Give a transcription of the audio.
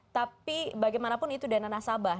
tapi bagaimanapun itu dana nasabah